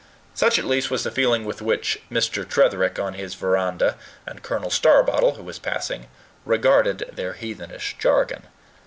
Such, at least, was the feeling with which Mr. Tretherick on his veranda and Colonel Starbottle, who was passing, regarded their heathenish jargon.